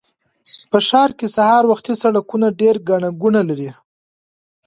په ښار کې سهار وختي سړکونه ډېر ګڼه ګوڼه لري